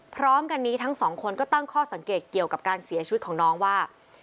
พร้อมกันนี้ทั้งสองคนก็ตั้งข้อสังเกตเกี่ยวกับการเสียชีวิตของน้องว่า